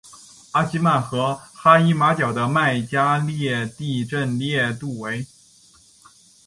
阿吉曼和哈伊马角的麦加利地震烈度为。